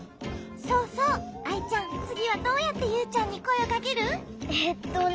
そうそうアイちゃんつぎはどうやってユウちゃんにこえをかける？えっとね。